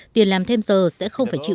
tiền làm thêm giờ sẽ không phải chịu